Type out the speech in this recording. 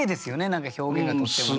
何か表現がとってもね。